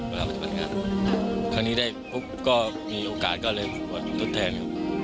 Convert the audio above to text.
เวลาบัตรบัตรงานครั้งนี้ได้พรุ่งก็มีโอกาสก็เลยวัดต้นแทน